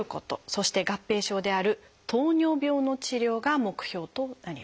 そして合併症である糖尿病の治療が目標となります。